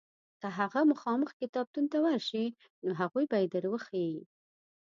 که هغه مخامخ کتابتون ته ورشې نو هغوی به یې در وښیي.